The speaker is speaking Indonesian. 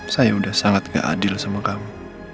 saya udah sangat gak adil sama kamu